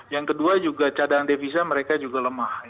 yang kedua juga cadangan devisa mereka juga lemah